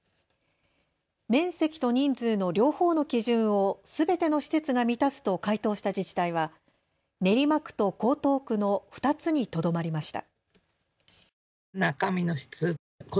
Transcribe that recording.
面積と人数の両方の基準をすべての施設が満たすと回答した自治体は練馬区と江東区の２つにとどまりました。